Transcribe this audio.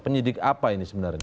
penyidik apa ini sebenarnya